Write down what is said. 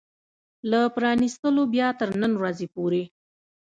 له پرانيستلو بيا تر نن ورځې پورې